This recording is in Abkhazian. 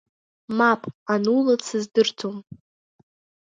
Мап, Анула, дсыздырӡом!